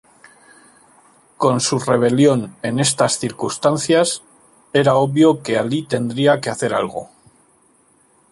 Con su rebelión en estas circunstancias, era obvio que Alí tendría que hacer algo.